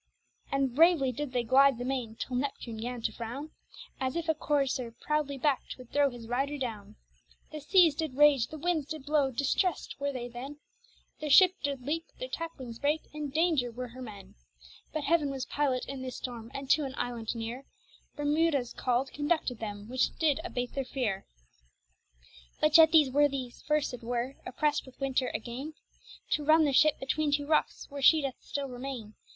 And bravely did they glyde the maine, till Neptune gan to frowne, As if a courser proudly backt would throwe his ryder downe. The seas did rage, the windes did blowe, distressèd were they then; Their ship did leake, her tacklings breake, in daunger were her men. But heaven was pylotte in this storme, and to an iland nere, Bermoothawes call'd, conducted then, which did abate their feare. But yet these worthies forcèd were, opprest with weather againe, To runne their ship betweene two rockes, where she doth still remaine.